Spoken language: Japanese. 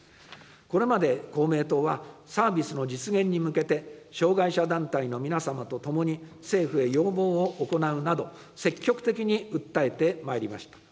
これまで公明党は、サービスの実現に向けて、障害者団体の皆様と共に、政府へ要望を行うなど、積極的に訴えてまいりました。